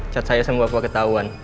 cat saya semua aku ketahuan